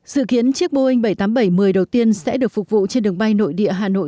sự kiến chiếc boeing bảy trăm tám mươi bảy một mươi đầu tiên sẽ được phục vụ trên đường bay nội địa hà nội